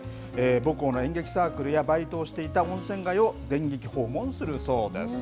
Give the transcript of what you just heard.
母校の演劇サークルや、バイトをしていた温泉街を電撃訪問するそうです。